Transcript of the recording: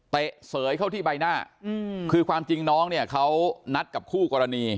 เสยเข้าที่ใบหน้าคือความจริงน้องเนี่ยเขานัดกับคู่กรณี